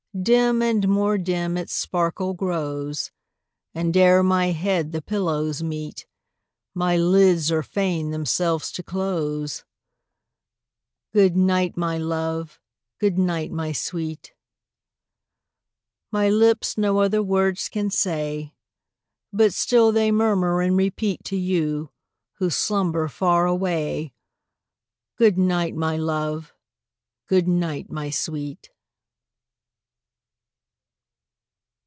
Dim and more dim its sparkle grows, And ere my head the pillows meet, My lids are fain themselves to close. Good night, my love! good night, my sweet! My lips no other words can say, But still they murmur and repeat To you, who slumber far away, Good night, my love! good night, my sweet!